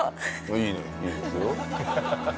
いいですよ。